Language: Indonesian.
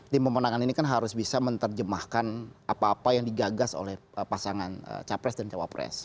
tim pemenangan ini kan harus bisa menerjemahkan apa apa yang digagas oleh pasangan capres dan cawapres